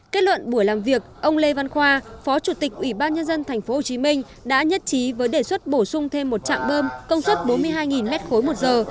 kết luận buổi làm việc ông lê văn khoa phó chủ tịch ủy ban nhân dân tp hcm đã nhất trí với đề xuất bổ sung thêm một trạm bơm công suất bốn mươi hai m ba một giờ